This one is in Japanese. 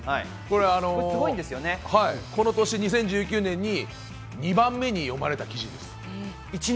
この年、２０１９年に２番目に読まれた記事です。